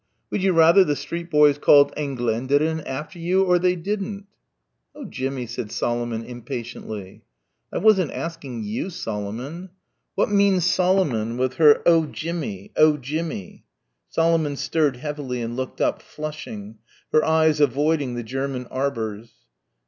"Would you rather the street boys called Engländerin after you or they didn't?" "Oh, Jimmie," said Solomon impatiently. "I wasn't asking you, Solomon." "What means Solomon, with her 'Oh, Djimmee,' 'oh, Djim_mee_'?" Solomon stirred heavily and looked up, flushing, her eyes avoiding the German arbours.